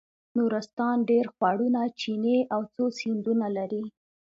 نورستان ډېر خوړونه چینې او څو سیندونه لري.